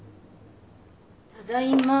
ただいま。